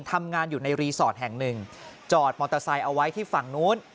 ทำงานอยู่ในรีสอร์ทแห่งหนึ่งจอดมอเตอร์ไซค์เอาไว้ที่ฝั่งนู้น